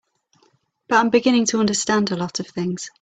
But I'm beginning to understand a lot of things.